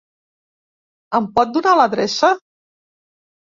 Em pot donar la adreça?